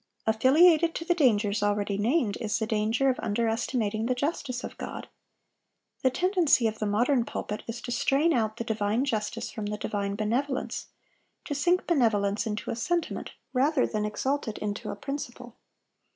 "Affiliated to the dangers already named is the danger of underestimating the justice of God. The tendency of the modern pulpit is to strain out the divine justice from the divine benevolence, to sink benevolence into a sentiment rather than exalt it into a principle.